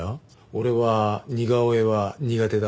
俺は似顔絵は苦手だっつって。